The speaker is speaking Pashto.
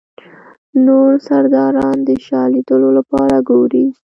نور سرداران د شاه لیدلو لپاره ګوري.